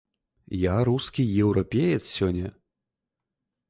Я рускі еўрапеец сёння.